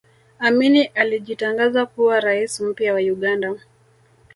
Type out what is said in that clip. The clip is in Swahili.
amini alijitangaza kuwa rais mpya wa uganda